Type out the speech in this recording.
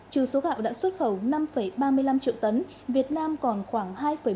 trừ số gạo đã xuất khẩu năm ba mươi năm triệu tấn việt nam còn khoảng hai một mươi năm đến hai sáu mươi năm triệu tấn gạo